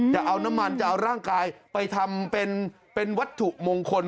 จะเอาน้ำมันจะเอาร่างกายไปทำเป็นวัตถุมงคล